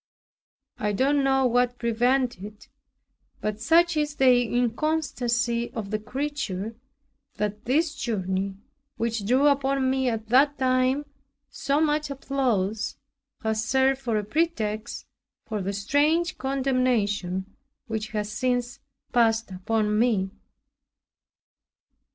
I don't know what prevented it; but such is the inconstancy of the creature, that this journey, which drew upon me at that time so much applause, has served for a pretext for the strange condemnation which has since passed upon me.